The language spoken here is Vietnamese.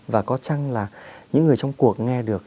và có chăng là những người trong cuộc nghe được